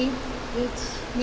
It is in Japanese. １２。